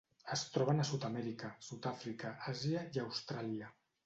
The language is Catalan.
Es troben a Sud-amèrica, Sud-àfrica, Àsia i Austràlia.